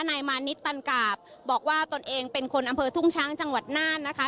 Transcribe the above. นายมานิดตันกาบบอกว่าตนเองเป็นคนอำเภอทุ่งช้างจังหวัดน่านนะคะ